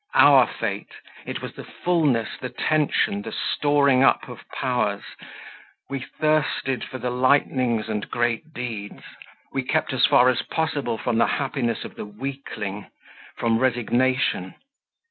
Our fate it was the fulness, the tension, the storing up of powers. We thirsted for the lightnings and great deeds; we kept as far as possible from the happiness of the weakling, from "resignation"...